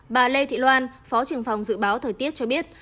bà lê thị loan phó trưởng phòng dự báo thời tiết cho biết